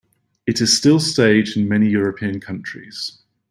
It is still staged in many European countries.